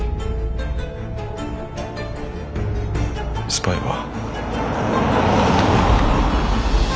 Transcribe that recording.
スパイは。